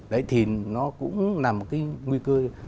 đấy thì nó cũng là một cái nguy cơ